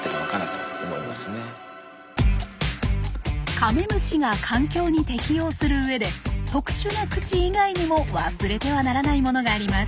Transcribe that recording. カメムシが環境に適応するうえで特殊な口以外にも忘れてはならないものがあります。